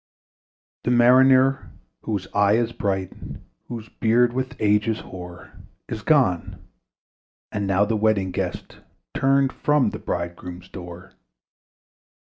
The Mariner, whose eye is bright, Whose beard with age is hoar, Is gone: and now the Wedding Guest Turned from the bridegroom's door.